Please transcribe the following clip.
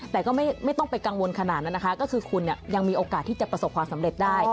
แต่ก็ไม่ต้องไปกังวลขนาดนั้นนะคะก็คือคุณยังมีโอกาสที่จะประสบความสำเร็จได้